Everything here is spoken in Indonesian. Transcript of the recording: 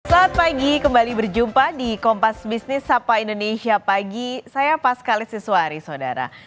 selamat pagi kembali berjumpa di kompas bisnis sapa indonesia pagi saya pas kali siswari saudara